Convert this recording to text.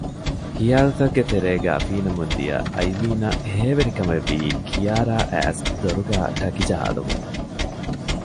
ޚިޔާލުތަކުގެ ތެރޭގައި ފީނަމުންދިޔަ އައިލީނަށް ހޭވެރިކަމެއްވީ ކިޔާރާާ އައިސް ދޮރުގައި ޓަކި ޖަހާލުމުން